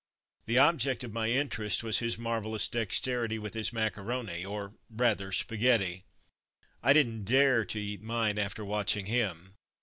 The object of my interest was his marvellous dexterity with his macaroni, or rather spaghetti. I didn^t dare to eat mine after watching him.